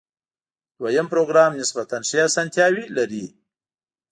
دویم پروګرام نسبتاً ښې آسانتیاوې لري.